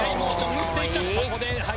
打っていった。